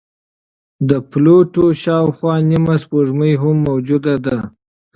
د پلوټو شاوخوا نیمه سپوږمۍ هم موجوده ده.